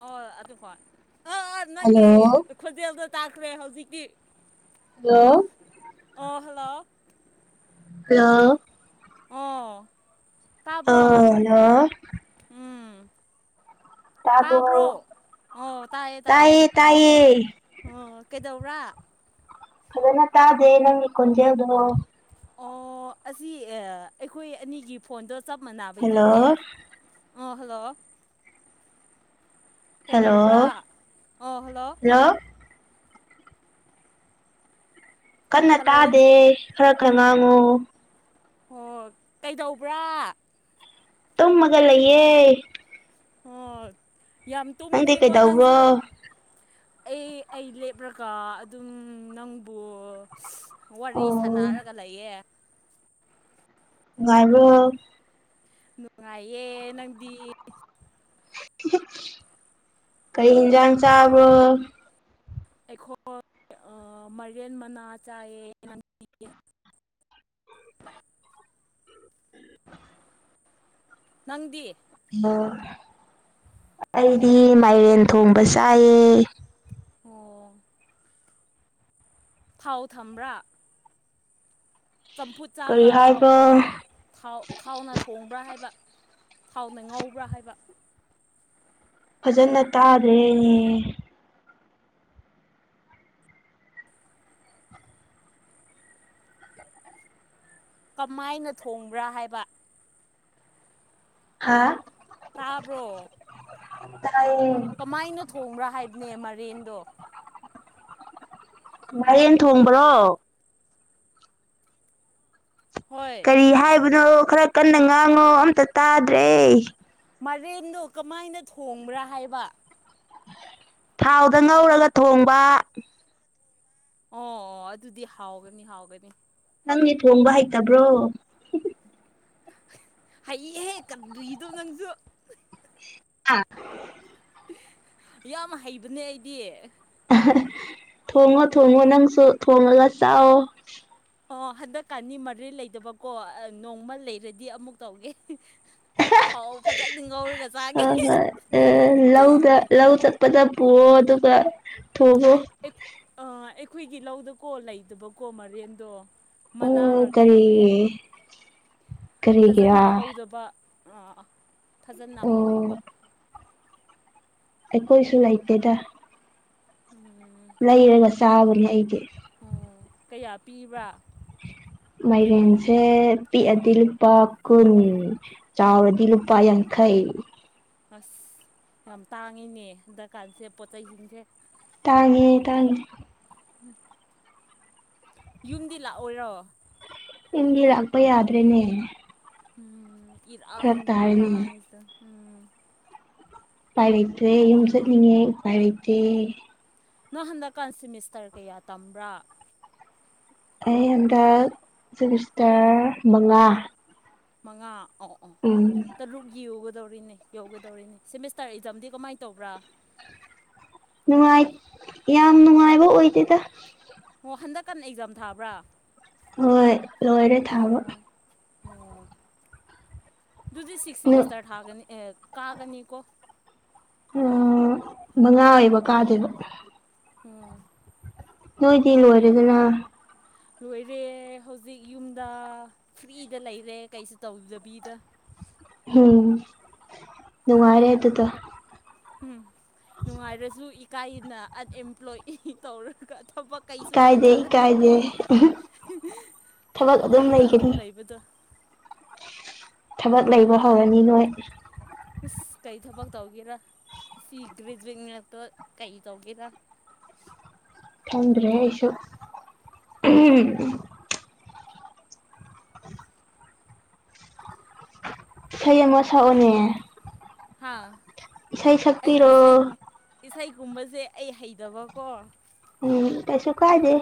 ꯍ ꯑꯗꯨ ꯈ ꯑ ꯅꯪꯒꯤ ꯍꯜꯂꯣ ꯈꯖꯦꯜꯗꯣ ꯇꯥꯇ꯭ꯔꯦ ꯍꯧꯖꯤꯛ ꯌꯦꯠ ꯍꯜꯂꯣ ꯈꯍꯂ ꯑ ꯑꯣ ꯇꯥꯕ꯭ꯔꯣ ꯑꯥꯂꯣ ꯎꯝ ꯇꯥꯕ꯭ꯔꯣ ꯑꯣ ꯇꯥꯏꯌꯦ ꯇꯌꯦ ꯑꯣ ꯗꯧꯔꯥ ꯑꯗꯨꯅ ꯇꯥꯖꯦ ꯅ ꯈꯨꯖꯦ ꯎꯣ ꯑꯣ ꯑꯁꯤ ꯑꯩꯈꯣꯏ ꯑꯅꯤꯒꯤ ꯐꯣꯟꯗꯣ ꯆꯞ ꯃꯥꯟꯅꯕꯒꯤꯅꯦ ꯍꯜꯂꯣ ꯑ ꯍꯜꯂꯣ ꯍꯜꯂꯣ ꯀꯩꯗꯧꯕ꯭ꯔꯥ ꯑꯣ ꯍꯜꯂꯣ ꯀꯟꯅ ꯍꯜꯂꯣ ꯇꯥꯗꯦ ꯈꯔ ꯈ ꯉꯥꯡꯉꯣ ꯑꯣ ꯀꯩꯗꯧꯕ꯭ꯔꯥ ꯇꯨꯝꯃꯒ ꯂꯩꯌꯦ ꯑꯣ ꯌꯥꯝ ꯅꯪꯗꯤ ꯇꯨꯝꯈ꯭ꯔꯦꯀꯣ ꯀꯩꯗꯧꯕ꯭ꯔꯣ ꯅꯪꯁꯨ ꯑꯩ ꯑꯩ ꯂꯦꯞꯂꯒ ꯑꯗꯨꯝ ꯅꯪꯕꯨ ꯑꯣ ꯋꯥꯔꯤ ꯁꯅꯔꯒ ꯂꯩꯌꯦ ꯉꯥꯏꯔ ꯅꯨꯡꯉꯥꯏꯌꯦ ꯅꯪꯗꯤ ꯀꯩ ꯏꯟꯖꯥꯡ ꯆꯥꯕ ꯑꯩꯈꯣꯏ ꯃꯦꯟ ꯃꯅꯥ ꯆꯥꯏꯌꯦ ꯅ ꯅꯪꯗꯤ ꯑꯣ ꯑꯩꯗꯤ ꯃꯥꯏꯔꯦꯟ ꯊꯣꯡꯕ ꯆꯥꯏꯌꯦ ꯑꯣ ꯊꯥꯎ ꯊꯝꯕ꯭ꯔꯥ ꯆꯝꯐꯨꯠ ꯀꯔꯤ ꯆꯥꯕ꯭ꯔꯥ ꯍꯥꯏꯕ ꯑꯣꯔꯥꯎ ꯊꯥꯎꯅ ꯊꯣꯡꯕ꯭ꯔꯥ ꯍꯥꯏꯕ ꯊꯥꯎꯅ ꯉꯥꯎꯕ꯭ꯔꯥ ꯍꯥꯏꯕ ꯐꯖꯅ ꯇꯥꯗ꯭ꯔꯦꯅꯦꯍ ꯀꯃꯥꯏꯅ ꯊꯣꯡꯕ꯭ꯔꯥ ꯍꯥꯏꯕ ꯍꯥꯥ ꯇꯥꯕ꯭ꯔꯣ ꯇꯥ ꯀꯃꯥꯏꯅ ꯊꯣꯡꯕ꯭ꯔꯥ ꯍꯥꯏ ꯅꯦ ꯃꯔꯤꯗꯣ ꯃꯔꯤꯟ ꯊꯣꯡꯕ꯭ꯔꯣ ꯍꯣꯏ ꯀꯥꯔꯤ ꯍꯥꯏ ꯀꯨꯅꯣ ꯈꯔ ꯀꯟꯅ ꯉꯥꯡꯉꯣ ꯑꯝꯇ ꯇꯥꯗ꯭ꯔꯦ ꯃꯔꯤꯟꯗꯣ ꯀꯃꯥꯏꯅ ꯊꯣꯡꯕ꯭ꯔꯥ ꯍꯥꯏꯕ ꯊꯥꯎꯗ ꯉꯧꯔꯒ ꯊꯣꯡꯕ ꯑꯣ-ꯑꯣ ꯑꯗꯨꯗꯤ ꯍꯥꯎꯒꯅꯤ-ꯍꯥꯎꯒꯅꯤ ꯅꯪꯗꯤ ꯊꯣꯡꯕ ꯍꯩꯇꯕ꯭ꯔꯣ ꯍꯩꯌꯦꯍꯦ ꯀꯔꯤꯅꯣ ꯅꯪꯖꯨ ꯑꯥ ꯌꯥꯝ ꯍꯩꯕꯅꯦ ꯑꯩꯗꯤ ꯊꯣꯡꯉꯣ-ꯊꯣꯡꯉꯣ ꯅꯪꯁꯨ ꯊꯣꯉꯒ ꯆꯥꯋꯣ ꯑꯣ ꯍꯟꯗꯛꯀꯅꯤ ꯃꯔꯤꯟ ꯂꯩꯇꯕꯀꯣ ꯅꯣꯡꯃ ꯂꯩꯔꯗꯤ ꯑꯃꯨꯛ ꯇꯧꯒꯦ ꯊꯥꯎ ꯐꯖꯅ ꯉꯧꯔꯒ ꯆꯥꯒꯦ ꯑꯍꯥ-ꯑꯍꯥ [unintelligible] ꯂꯧꯗ-ꯂꯧ ꯆꯠꯄꯗ ꯄꯨꯋꯣ ꯑꯗꯨꯒ ꯊꯣꯡꯉꯣ ꯑꯦ-ꯑꯦ ꯑꯥ ꯑꯦ ꯑꯩꯈꯣꯏꯒꯤ ꯂꯧꯗꯀꯣ ꯂꯩꯇꯕꯀꯣ ꯃꯔꯤꯟꯗꯣ ꯃꯅꯥ ꯑꯥ ꯉꯥꯛꯇ ꯀꯔꯤ ꯂꯩꯌꯦ ꯀꯔꯤꯒꯤꯔꯥ ꯐꯖꯅ ꯍꯧꯗꯕ ꯑꯥ-ꯑꯥ-ꯑꯥ ꯐꯖꯅ ꯑꯣ ꯍꯧꯗꯕ ꯑꯩꯈꯣꯏꯁꯨ ꯂꯩꯇꯦꯗ ꯎꯝ [inaudible] ꯂꯩꯔꯒ ꯆꯥꯕꯅꯦ ꯑꯩꯗꯤ ꯑꯣ ꯀꯌꯥ ꯄꯤꯕꯥ ꯃꯥꯏꯔꯦꯟꯖꯦ ꯄꯤꯛꯑꯗꯤ ꯂꯨꯄꯥ ꯀꯨꯟ ꯎꯝ ꯆꯥꯎꯔꯗꯤ ꯂꯨꯄꯥ ꯌꯥꯡ ꯈꯩ ꯑꯁ ꯌꯥꯝ ꯇꯥꯡꯉꯤꯎꯦ ꯗꯀꯥꯟꯖꯦ ꯄꯣꯠꯆꯩꯍꯤꯡꯖꯦ ꯇꯥꯡꯉꯦ-ꯇꯥꯡꯉꯦ ꯎꯝ [inaudible] ꯌꯨꯝꯗꯤ ꯂꯥꯛꯑꯣꯏꯔꯣ ꯏꯟꯗꯤ ꯂꯥꯛꯄ ꯌꯥꯗ꯭ꯔꯦꯅꯦ ꯎꯝ [inaudible] ꯐꯔꯛ ꯏꯔꯥꯡꯒ ꯇꯥꯔꯦꯅꯦ ꯃꯇꯥꯡꯖꯤꯗ ꯎꯝ [inaudible] ꯄꯥꯏ ꯂꯩꯇ꯭ꯔꯦ ꯌꯨꯝ ꯆꯠꯅꯤꯡꯉꯦ ꯎꯄꯥꯏ ꯂꯩꯇ꯭ꯔꯦ ꯅꯪ ꯍꯟꯗꯛꯀꯥꯟꯁꯤ ꯁꯤꯃꯤꯁꯇꯔ ꯀꯌꯥ ꯇꯝꯕ꯭ꯔꯥ ꯑꯩ ꯍꯟꯗꯛ ꯁꯤꯃꯤꯁꯇꯔ ꯃꯉꯥ ꯃꯉꯥ ꯑꯣ ꯑꯣ ꯎꯝ ꯇ ꯔꯨꯒ ꯧꯗꯧꯔꯤꯅꯦ ꯌꯧꯒꯗꯧꯔꯤꯅꯦ ꯁꯤꯦꯃꯤꯁꯇꯔ ꯑꯦꯛꯖꯥꯝꯗꯤ ꯀꯃꯥꯏꯅ ꯇꯧꯕ꯭ꯔꯥ ꯅꯨꯡꯉꯥꯏ ꯌꯥꯝ ꯅꯨꯡꯉꯥꯏꯕ ꯑꯣꯏꯗꯦꯗ ꯍꯟꯗꯛ ꯀꯟꯅ ꯑꯦꯛꯖꯥꯝ ꯊꯥꯕ꯭ꯔꯥ ꯍꯣꯏ ꯂꯔꯦ ꯊꯥꯕ ꯑꯣꯝ ꯑꯗꯨꯗꯤ ꯁꯤꯛꯁꯁꯤ ꯅꯨ ꯏꯁꯇꯥꯔꯠ ꯊꯥꯒꯅꯤ ꯑꯦ ꯀꯥꯒꯅꯤꯀꯣ ꯎꯝ ꯃꯉꯥ ꯎꯝ ꯑꯣꯏꯕ ꯀꯥꯗꯦꯕ ꯎꯝ ꯅꯣꯏꯗꯤ ꯂ ꯑꯣꯏꯔꯦꯗꯅ ꯂꯣꯏꯔꯦ ꯍꯧꯖꯤꯛ ꯌꯨꯝꯗ ꯐ꯭ꯔꯤꯗ ꯂꯩꯔꯦ ꯀꯩꯁꯨ ꯇꯧꯗꯕꯤꯗ ꯎ ꯝ ꯅꯨꯡꯉꯥꯏꯔꯦ ꯍꯥꯏ ꯑꯗꯨꯗ ꯎꯝ ꯅꯨꯡꯉꯥꯏꯔꯁꯨ ꯀꯥꯏꯅ ꯑꯟꯑꯦꯝꯄ꯭ꯂꯣꯏꯤ ꯇꯧꯔꯒ ꯊꯕꯛ ꯀꯩꯁꯨ ꯏꯀꯥꯏꯗꯦ ꯇꯧꯗ꯭ꯔꯒ ꯏꯀꯥꯏꯗꯦ ꯊꯕꯛ ꯌꯨꯝꯗ ꯂꯩꯒꯅꯤ ꯑꯗꯨꯝ ꯂꯩꯕꯗꯣ ꯊꯕꯛ ꯂꯩꯕ ꯍꯧꯔꯅꯤ ꯅꯣꯏ ꯑꯁ ꯀꯩ ꯊꯕꯛ ꯇꯧꯒꯦꯔꯥ ꯑꯁꯤ ꯒ꯭ꯔꯦꯖꯨꯋꯦꯠ ꯉꯛꯇ ꯀꯩ ꯇꯧꯒꯦꯔ ꯊꯗ꯭ꯔꯦꯁꯨ ꯏꯁꯩ ꯑꯃ ꯁꯛꯑꯣꯅꯦ ꯍꯥꯥ ꯁꯛꯄꯤꯔꯣ ꯑꯩ ꯒꯨꯝꯕꯁꯦ ꯑꯩ ꯍꯩꯇꯕꯀꯣ ꯎꯝ ꯀꯩꯁꯨ ꯀꯥꯏꯗꯦ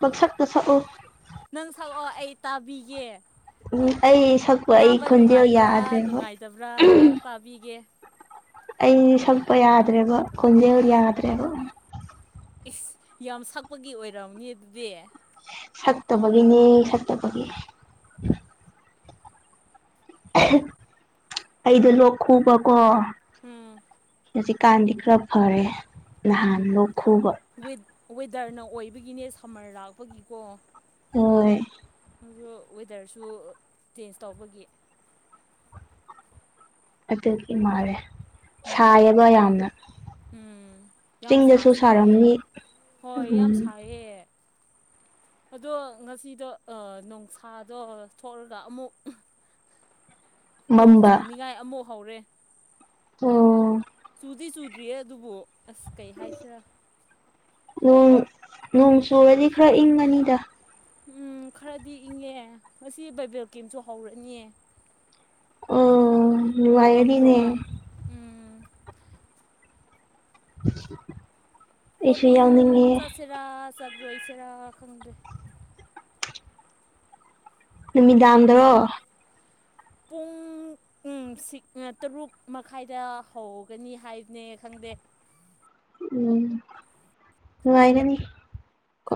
ꯄ ꯁꯛꯇ ꯁꯛꯎ ꯅꯪ ꯁꯛꯛꯑꯣ ꯑꯩ ꯇꯥꯕꯤꯒꯦ ꯎꯝ ꯑꯩ ꯁꯛꯄ ꯑꯩ ꯄꯥꯕ ꯈꯣꯟꯖꯦꯜ ꯅꯨꯡꯉꯥꯏꯕ꯭ꯔꯥ ꯌꯥꯗ꯭ꯔꯦꯕ ꯅꯨꯡꯉꯥꯏꯇꯕ꯭ꯔꯥ ꯄꯥꯕꯤꯒꯦ ꯑꯩ ꯁꯛꯄ ꯌꯥꯗ꯭ꯔꯦꯕ ꯀꯣꯟꯖꯦꯜ ꯌꯥꯗ꯭ꯔꯦ꫰ꯕ ꯏꯁ ꯌꯥꯝ ꯁꯛꯄꯒꯤ ꯑꯣꯏꯔꯝꯅꯤ ꯑꯗꯨꯗꯤ ꯁꯛꯇꯕꯒꯤꯅꯦ ꯁꯛꯇꯕꯒꯤ ꯑꯩꯗꯣ ꯂꯣꯛ ꯈꯨꯨꯕꯀꯣ ꯎꯝ ꯍꯧꯖꯤꯛꯀꯥꯟꯗꯤ ꯈꯔ ꯐꯔꯦ ꯂꯍꯥꯟ ꯂ ꯈꯨ ꯗꯔꯅ ꯑꯣꯏꯕꯒꯤꯅꯦ ꯁꯝꯃꯔ ꯂꯥꯛꯄꯒꯤꯀꯣ ꯑꯣ ꯑ ꯋꯦꯗꯔꯁꯨ ꯆꯦꯟꯖ ꯇꯧꯕꯒꯤ ꯑꯗꯨꯗꯒꯤ ꯃꯥꯔꯦ ꯎꯝ ꯁꯥꯏꯑꯕ ꯌꯥꯝꯅ ꯎꯝ ꯌꯥꯝ ꯆꯤꯡꯗꯁꯨ ꯁꯥꯁꯨ ꯁꯥꯏꯌꯦ ꯁꯥꯔꯝꯃꯤ ꯎ ꯍꯣꯏ ꯌꯥꯝ ꯁꯥꯏꯌꯦ ꯑꯗꯣ ꯉꯁꯤꯗꯣ ꯅꯣꯡꯁꯥꯗꯣ ꯊꯣꯛꯑꯒ ꯑꯃꯨꯛ ꯅꯣꯡ ꯆꯨꯅꯤꯡꯉꯥꯏ ꯑꯃꯨꯛ ꯍꯧꯔꯦ ꯑꯣꯝ ꯆꯨꯗꯤ ꯆꯨꯗ꯭ꯔꯤꯌꯦ ꯑꯗꯨꯕꯨ ꯑꯁ ꯀꯩ ꯍꯥꯏꯁꯤꯔ ꯅꯣꯡ ꯅꯣꯡ ꯆꯨꯔꯗꯤ ꯈꯔ ꯏꯪꯉꯅꯤꯗ ꯎꯝ ꯈꯔꯗꯤ ꯏꯪꯉꯦ ꯉꯁꯤ ꯕꯥꯏꯕꯦꯜ ꯀꯦꯝꯁꯨ ꯍꯧꯔꯅꯤꯌꯦ ꯑꯣ ꯋꯦꯜꯀꯝ ꯅꯨꯡꯉꯥꯏꯔꯅꯤꯅꯦ ꯄ꯭ꯔꯣꯒ꯭ꯔꯥꯝ ꯎꯝ [unintelligible] [inaudible] ꯍꯣꯔꯦꯟ ꯌꯥꯎꯅꯤꯡꯉꯦ ꯆꯠꯁꯤꯔ ꯆꯠ ꯔꯣꯏꯁꯦꯔ ꯈꯪꯗ꯭ꯔꯦ ꯅꯨꯃꯤꯗꯥꯡꯗꯔꯣ ꯄꯨꯡ ꯇꯔꯨꯛ ꯃꯈꯥꯏꯗ ꯍꯧꯒꯅꯤ ꯍꯥꯏꯕꯅꯦ ꯈꯪꯗꯦ ꯎꯝ ꯅꯨꯡꯉꯥꯏꯒꯅꯤ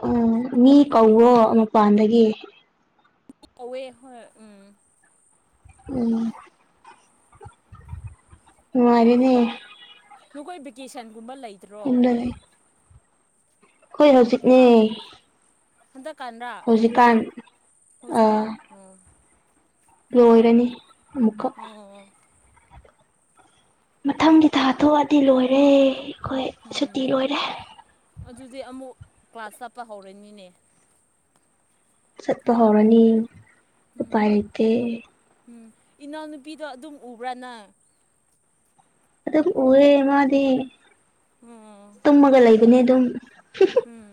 ꯎꯝ ꯃꯤ ꯀꯧꯋꯣ ꯃꯄꯥꯟꯗꯒꯤ ꯀꯧꯋꯦ ꯍꯣꯏ ꯎꯝ ꯎꯝ ꯅꯨꯡꯉꯥꯏꯔꯤꯅꯤ ꯅꯈꯣꯏ ꯚꯦꯀꯦꯁꯟ ꯨꯝꯕ ꯂꯩꯇ꯭ꯔꯣ ꯍꯣꯏ ꯍꯧꯖꯤꯠꯅꯦ ꯍꯟꯗꯛ ꯀꯥꯟꯔꯥ ꯑꯥ ꯍꯧꯖꯤꯛꯀꯥꯟ ꯎꯝ ꯂꯣꯏꯔꯅꯤ ꯑꯃꯨꯛꯀ ꯑꯣ ꯃꯊꯪꯗꯤ ꯊꯥꯊꯣꯛꯑꯗꯤ ꯂꯣꯏꯔꯦ ꯈꯣꯏ ꯁꯨꯇꯤ ꯎꯝ ꯂꯣꯏꯔꯦ ꯑꯗꯨꯗꯤ ꯑꯃꯨꯛ ꯀ꯭ꯂꯥꯁ ꯆꯠꯄ ꯍꯧꯔꯅꯤꯅꯦ ꯆꯠꯄ ꯍꯧꯔꯅꯤ ꯎꯄꯥꯏ ꯎꯝ ꯂꯩꯇꯦ ꯎꯝ ꯏꯅꯥꯎꯅꯨꯄꯤꯗꯣ ꯑꯗꯨꯝ ꯎꯕ꯭ꯔꯥ ꯅꯪ ꯑꯗꯨꯝ ꯎꯋꯦ ꯃꯥꯗꯤ ꯎꯝ ꯇꯨꯝꯃꯒ ꯂꯩ ꯑꯗꯨꯩꯅ ꯑꯗꯨꯝ ꯎꯝ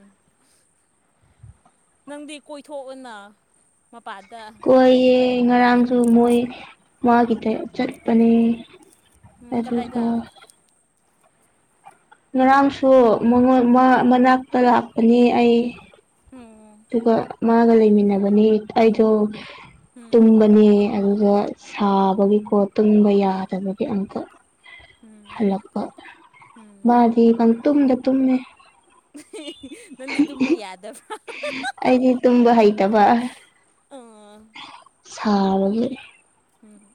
ꯅꯪꯗꯤ ꯀꯣꯏꯊꯣꯛꯑꯣꯅ ꯃꯄꯥꯗ ꯀꯣꯏꯌꯦ ꯉꯔꯥꯡꯁꯨ ꯃꯣꯏ ꯋꯥꯗ ꯆꯔꯄꯅꯤ ꯎꯝ ꯑꯔꯨꯔꯒ ꯀꯗꯥꯏꯗ ꯉꯔꯥꯡꯁꯨ ꯃꯅꯥꯛꯇ ꯂꯥꯛꯄꯅꯤ ꯑꯩ ꯎꯝ ꯑꯗꯨꯒ ꯃꯥꯒ ꯂꯩꯃꯤꯟꯅꯕꯅꯤ ꯑꯩꯗꯣ ꯎꯝ ꯇꯅꯤ ꯑꯗꯨꯒꯗ ꯁꯥꯕꯒꯤꯀꯣ ꯇꯨꯝꯕ ꯌꯥꯗꯕꯒꯤ ꯑꯃꯝꯀꯛ ꯎꯝ ꯎꯝ ꯃꯥꯗꯤ ꯄꯪꯇꯨꯝꯗ ꯇꯨꯝꯃꯦ ꯅꯗꯤ ꯇꯨꯕꯥ ꯌꯥꯗꯕ ꯑꯩꯗꯤ ꯇꯨꯝꯕ ꯍꯩꯇꯕ ꯁꯥꯔꯒꯦ ꯎꯝꯝ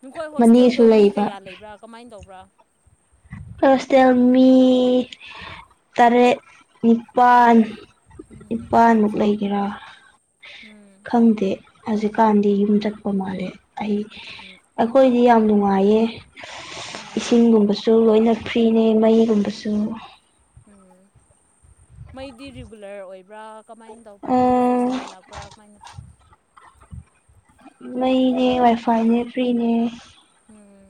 ꯅꯈꯣꯏ ꯃꯅꯦꯁꯨ ꯍꯣꯁꯇꯦꯜꯗꯣ ꯃꯤ ꯂꯩꯕ ꯀꯌꯥ ꯂꯩꯕ꯭ꯔꯥ ꯀꯃꯥꯏꯅ ꯇꯧꯕ ꯄꯨ꯭ꯔꯥ ꯐꯁꯦ ꯑꯃꯃꯤ ꯇꯔꯦ ꯅꯤꯄꯥꯜ ꯇꯔꯦꯠ ꯎꯝ ꯅꯤꯄꯥꯜꯃꯨꯛ ꯂꯩꯒꯦꯔꯥ ꯎꯝ ꯈꯪꯗꯦ ꯍꯧꯖꯤꯛꯀꯥꯟꯗꯤ ꯌꯨꯝ ꯆꯠꯄ ꯃꯥꯜꯂꯦ ꯑꯩ ꯎꯝ ꯑꯩꯈꯣꯏꯗꯤ ꯌꯥꯝ ꯅꯨꯡꯥꯏ ꯅꯨꯡ ꯃꯌꯦ ꯎꯝ ꯂꯣꯏꯅ ꯐ꯭ꯔꯤꯅꯦ ꯃꯩꯒꯨꯝꯕꯁꯨ ꯎꯝ ꯃꯩꯗꯤ ꯔꯤꯒꯨꯂꯔ ꯌꯥꯝꯅꯥ ꯑꯣꯏꯕ꯭ꯔꯥ ꯀꯃꯥꯏꯅ ꯇꯧꯕ꯭ꯔꯥ ꯇ꯭ꯋꯦꯟꯇꯤ ꯐꯣꯔ ꯁꯕꯦꯟ ꯂꯥꯛꯄ꯭ꯔꯥ ꯀꯃꯥꯏꯅ ꯃꯩꯅꯦ ꯋꯥꯏꯐꯥꯏꯅꯦ ꯐ꯭ꯔꯤꯅꯦ ꯎꯝ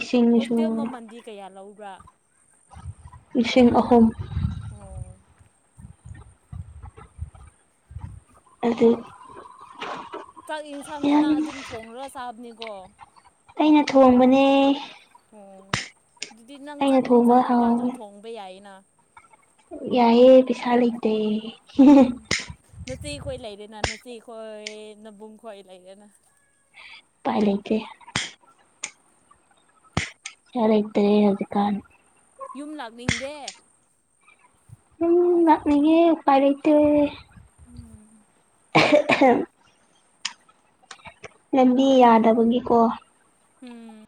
ꯏꯁꯤꯡꯁꯨ ꯍꯧꯖꯤꯇ ꯃꯃꯗꯤ ꯀꯌꯥ ꯂꯎ ꯄꯨ꯭ꯔ ꯂꯤꯁꯤꯡ ꯑꯍꯨꯝ ꯑꯣ ꯑꯗꯨ ꯆꯥꯛ ꯌꯥꯝ ꯌꯦꯟꯁꯥꯡꯅꯤꯅ ꯑꯗꯨꯝ ꯊꯣꯡꯡꯂꯒ ꯆꯥꯕꯅꯦ ꯣ ꯑꯩꯅ ꯊꯣꯡꯕꯅꯦ ꯑꯣ ꯑꯗꯨꯗꯤ ꯅꯪ ꯑꯩꯅ ꯆꯠꯅꯤꯡ ꯊꯣꯡꯕ ꯆꯠꯅꯤꯡꯕ ꯑꯗꯨꯝ ꯊꯣꯡꯕ ꯌꯥꯏꯌꯦꯅ ꯌꯥꯑꯦ ꯄꯁꯥꯜ ꯏꯗꯦ ꯍ ꯆꯤ ꯈꯣꯏ ꯂꯩꯔꯦ ꯅ ꯅ ꯆꯦ ꯈꯣꯏ ꯅꯕꯨꯡ ꯈꯣꯏ ꯂꯩꯔꯦꯅ ꯎꯄꯥꯏ ꯂꯩꯇꯦ ꯌꯥꯔꯇ ꯑꯗꯨ ꯀꯥꯟ ꯌꯨꯝ ꯂꯥꯛꯅꯤꯗꯦ ꯎ ꯅꯅꯤꯌꯦ ꯌꯄꯥꯏ ꯂꯩꯇꯦ ꯎꯝ [unintelligible] ꯂꯝꯕꯤ ꯌꯥꯗꯕꯒꯤꯀꯣ ꯎꯝ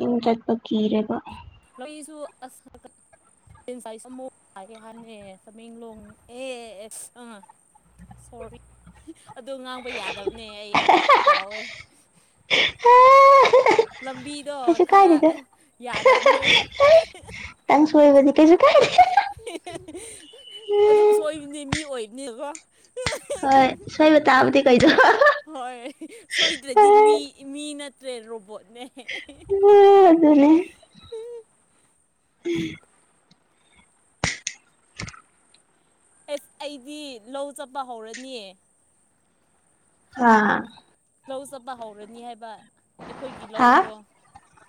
ꯌꯨꯝ ꯆꯠꯄ ꯀꯤꯔꯦꯕ ꯂꯁꯨ ꯑꯁꯨꯛꯒꯦ ꯍꯥꯟꯅꯅꯦ ꯆꯃꯦꯡꯂꯣꯡ ꯑꯦ ꯑ ꯁꯣꯔꯤ ꯑꯣ ꯉꯥꯡꯕ ꯌꯥꯗꯕꯅꯦ ꯑꯩ ꯀꯥꯎꯋꯦ ꯂꯝꯕꯤꯗꯣ ꯀꯩꯁꯨ ꯈꯔ ꯀꯥꯏꯗꯗꯣ ꯌꯥꯗꯕꯅꯦ ꯈꯤꯇꯪ ꯁꯣꯏꯕꯗꯤ ꯀꯩꯁꯨ ꯀꯥꯏꯗꯦ ꯑꯗꯨꯝ ꯁꯣꯏꯕꯅꯤ ꯃꯤ ꯑꯣꯏꯕꯅꯦꯕꯣ ꯍꯣꯏ ꯁꯣꯏꯕ ꯇꯕꯤ ꯀꯩꯗ ꯍꯣꯏ ꯇ꯭ꯔꯦ ꯔꯣꯕꯣꯠ ꯎ ꯑꯗꯨ ꯑꯗꯨꯅꯦ ꯎꯝ ꯑꯦꯁ ꯑꯩꯗꯤ ꯂꯧ ꯆꯠꯄ ꯍꯧꯔꯅꯤꯌꯦ ꯑꯥ ꯂꯧ ꯆꯠꯄ ꯍꯧꯔꯅꯤ ꯍꯥꯏꯕ ꯑꯩꯈꯣꯏꯒꯤ ꯍꯥ ꯂꯧꯗꯣ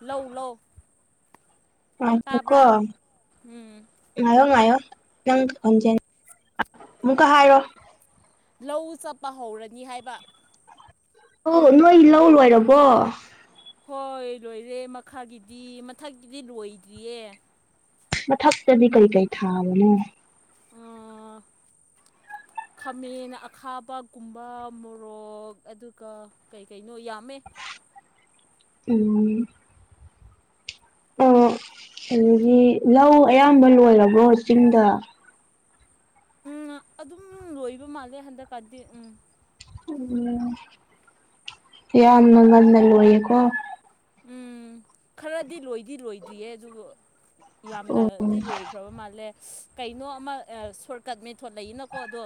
ꯂꯧ ꯂꯧ ꯑ ꯀꯀꯣ ꯇꯥꯕ꯭ꯔꯥ ꯎꯝ ꯉꯌꯣ ꯉꯌꯣ ꯅꯪ ꯍꯣꯟꯖ ꯑꯃꯨꯛꯀ ꯍꯥꯏꯔꯣ ꯂꯧ ꯆꯞꯄ ꯍꯧꯔꯅꯤ ꯍꯥꯏꯕ ꯑꯣ ꯅꯣꯏ ꯂꯧ ꯂꯣꯏꯔꯕꯣ ꯍꯣꯏ ꯂꯣꯏꯔꯦ ꯃꯈꯥꯒꯤꯗꯤ ꯃꯊꯛꯀꯤꯗꯤ ꯂꯣꯏꯗ꯭ꯔꯤꯌꯦ ꯃ ꯊꯛꯁꯦꯕꯤ ꯀꯩ ꯀꯩ ꯊꯥꯕꯅꯣ ꯈꯥꯃꯦꯟ ꯑꯈꯥꯕꯒꯨꯝꯕ ꯃꯣꯔꯣꯛ ꯑꯗꯨꯒ ꯀꯩ ꯀꯩꯅꯣ ꯌꯥꯝꯃꯦ ꯎꯝ ꯑꯣ ꯑꯗꯒꯤ ꯂꯧ ꯑꯌꯥꯝꯕ ꯂꯣꯏꯔꯕ꯭ꯔꯣ ꯆꯤꯡꯗ ꯎꯝ ꯑꯗꯨꯝ ꯂꯣꯏꯕ ꯃꯥꯜꯂꯦ ꯍꯟꯗꯛꯀꯥꯟꯗꯤ ꯎꯝ ꯎꯝ ꯌꯥꯝꯅ ꯃꯅꯅ ꯑꯣꯏꯌꯦꯀꯣ ꯎꯝ ꯈꯔꯗꯤ ꯂꯣꯏꯗꯤ ꯂꯣꯏꯗ꯭ꯔꯤꯌꯦ ꯑꯗꯨꯕꯨ ꯑꯣ ꯌꯥꯝꯅꯗꯤ ꯂꯣꯏꯈ꯭ꯔꯕ ꯃꯥꯜꯂꯦ ꯀꯩꯅꯣ ꯑꯃ ꯁꯣꯔꯠꯀꯠ ꯃꯦꯟꯊꯣꯠ ꯂꯩꯌꯦꯅꯀꯣ ꯑꯗꯣ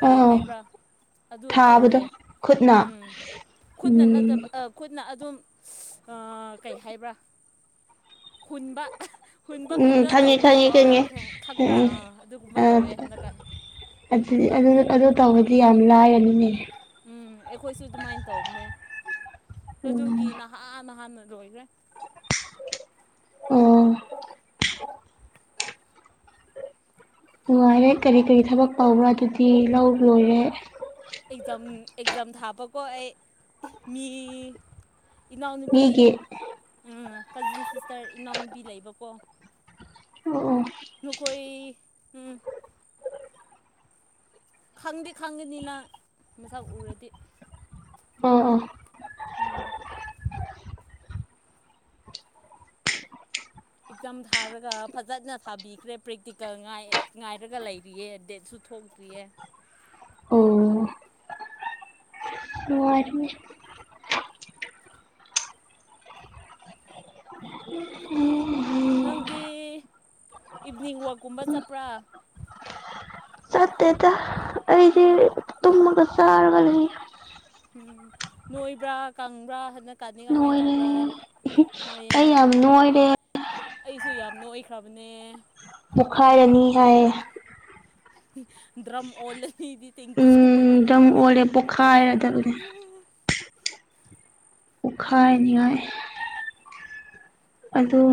ꯀꯩ ꯑꯥ ꯍꯥꯏꯕ꯭ꯔꯥ ꯑꯗꯨ ꯊꯥꯕꯗꯣ ꯇꯧꯋꯦ ꯈꯨꯠꯅ ꯎꯝ ꯈꯨꯠꯅ ꯎꯝ ꯅꯠꯇꯕ ꯈꯨꯠꯅ ꯑꯗꯨꯝ ꯑ ꯀꯩ ꯍꯥꯏꯕ꯭ꯔꯥ ꯍꯨꯟꯕ ꯎꯝ ꯍꯨꯟꯕꯒꯨꯝꯅ ꯈꯪꯉꯦ ꯇꯧꯕꯗꯣ ꯈꯪꯉꯦ ꯑꯥ ꯈꯪꯉꯦ ꯈꯪꯕ꯭ꯔꯥ ꯑꯥ ꯑꯗꯨꯒꯨꯝꯕ ꯑꯥ ꯇꯧꯋꯦ ꯍꯟꯗꯛꯀꯥꯟ ꯑꯗꯨ ꯑꯗꯨ ꯑꯗꯨ ꯇꯧꯕꯗꯤ ꯌꯥꯝ ꯂꯥꯏꯔꯅꯤꯅꯦ ꯎꯝ ꯑꯩꯈꯣꯏꯁꯨ ꯑꯗꯨꯃꯥꯏꯅ ꯇꯧꯕꯅꯦ ꯑꯗꯨꯒꯤ ꯎꯝ ꯅꯍꯥꯟꯍꯥꯟ ꯔꯣꯣꯏꯗ ꯑꯣ ꯅꯨꯡꯉꯥꯏꯔꯦ ꯀꯔꯤ ꯀꯔꯤ ꯊꯕꯛ ꯇꯧꯕꯔ ꯑꯗꯨꯗꯤ ꯂꯧ ꯂꯣꯏꯔꯦ ꯈꯣꯏ ꯃꯤ ꯏꯅꯥꯎ ꯅꯨꯄꯤꯤ ꯃꯤꯒꯤ ꯎꯝ ꯀꯖꯤꯟ ꯁꯤꯁꯇꯔ ꯏꯅꯥꯎꯅꯨꯕꯤ ꯂꯩꯕꯀꯣ ꯎꯃ ꯎꯝ ꯅꯈꯣꯏ ꯎꯝ ꯈꯪꯗꯤ ꯈꯪꯒꯅꯤ ꯅꯪ ꯃꯁꯛ ꯎꯔꯗꯤ ꯎꯝ ꯎꯝ ꯎꯝ ꯑꯦꯛꯖꯥꯝ ꯊꯥꯔꯒ ꯐꯖꯅ ꯊꯥꯕꯤꯈ꯭ꯔꯦ ꯄ꯭ꯔꯦꯛꯇꯤꯀꯦꯜ ꯉꯥꯏꯔꯒ ꯂꯩꯔꯤꯌꯦ ꯗꯦꯠꯁꯨ ꯊꯣꯛꯇ꯭ꯔꯤꯌꯦ ꯑꯣ ꯑꯣ ꯅꯨꯡꯉꯥꯏꯔꯦꯅꯦ ꯅꯪꯗꯤ ꯏꯚꯤꯅꯤꯡ ꯋꯥꯛꯀꯨꯝꯕ ꯆꯠꯄ꯭ꯔꯥ ꯆꯠꯇꯦꯗ ꯑꯩꯗꯤ ꯇꯨꯝꯃꯒ ꯆꯔꯒ ꯂꯩ ꯎꯝ ꯅꯣꯏꯕ꯭ꯔꯥ ꯀꯪꯕ꯭ꯔꯥ ꯍꯟꯗꯛ ꯀꯥꯟꯗꯤ ꯀꯃꯥꯏꯅ ꯅꯣꯏꯔꯦ ꯇꯧꯕ꯭ꯔꯥ ꯅꯣꯏꯌꯦ ꯑꯩ ꯌꯥꯝ ꯅꯣꯏꯔꯦ ꯑꯩꯁꯨ ꯌꯥꯝ ꯅꯣꯏꯈ꯭ꯔꯕꯅꯦ ꯄꯣꯛꯈꯥꯏꯔꯅꯤ ꯍꯥꯏꯌꯦ ꯗ꯭ꯔꯝ ꯑꯣꯜꯂꯦ ꯎꯝ ꯗꯔꯝ ꯑꯣꯏꯔꯦ ꯄꯣꯛꯈꯥꯏꯔꯗꯕꯅꯦ ꯄꯣꯈꯥꯏꯅꯤꯌꯥꯏ ꯑꯗꯨꯗꯣ